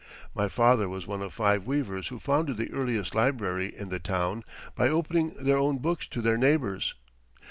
My father was one of five weavers who founded the earliest library in the town by opening their own books to their neighbors.